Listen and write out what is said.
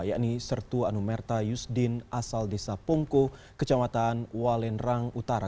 yakni sertu anumerta yusdin asal desa pongko kecamatan walendrang utara